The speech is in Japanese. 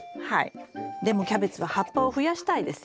でもキャベツは葉っぱを増やしたいですよね。